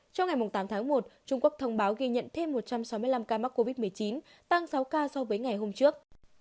trong ngày tám tháng một trung quốc thông báo ghi nhận thêm một trăm sáu mươi năm ca mắc covid một mươi chín tăng sáu ca so với ngày hôm trước